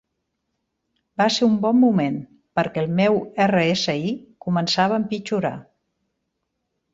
Va ser un bon moment, perquè el meu RSI començava a empitjorar.